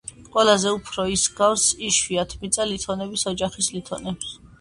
ყველაზე უფრო ის გავს იშვიათმიწა ლითონების ოჯახის ლითონებს.